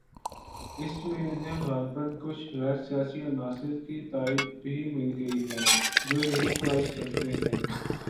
اس میں انہیں غالباکچھ غیر سیاسی عناصر کی تائید بھی مل گئی ہے" جو یہی خواہش رکھتے ہیں۔